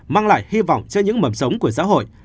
mang lại hy vọng cho những mầm sống của xã hội